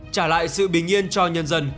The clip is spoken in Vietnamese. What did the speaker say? trả lại sự bình yên cho nhân dân